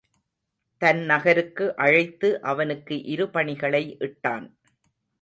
தன் நகருக்கு அழைத்து அவனுக்கு இருபணிகளை இட்டான்.